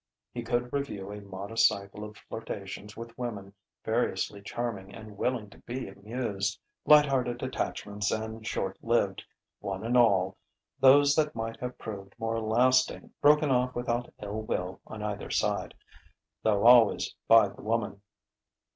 He could review a modest cycle of flirtations with women variously charming and willing to be amused, light hearted attachments and short lived, one and all, those that might have proved more lasting broken off without ill will on either side though always by the woman.